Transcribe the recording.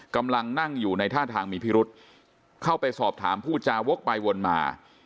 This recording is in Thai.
กำลังนั่งอยู่ในท่าทางมีพิรุษเข้าไปสอบถามผู้จาวกไปวนมา